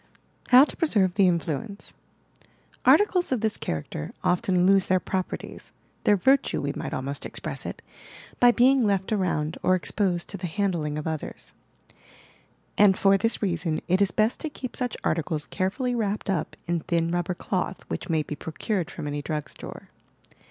HOW TO PRESERVE TIIE INFLUENCE Articles of this character often lose their properties — their "virtue" we might almost express it — by being left around or exposed to the handling of others: and for this reason it is best to keep such articles carefully wrapped up in thin rubber cloth which may be procured from any drug store.